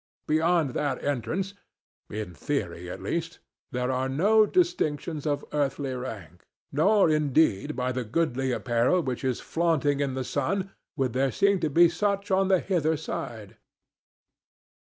Beyond that entrance—in theory, at least—there are no distinctions of earthly rank; nor, indeed, by the goodly apparel which is flaunting in the sun would there seem to be such on the hither side.